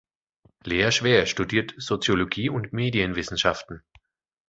Lea Schwer studiert Soziologie und Medienwissenschaften.